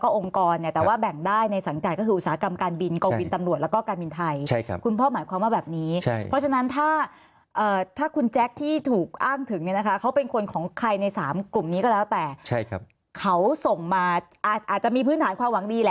เขาส่งมาอาจจะมีพื้นฐานของหวังดีแหละ